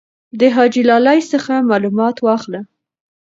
د حاجي لالي څخه معلومات واخله.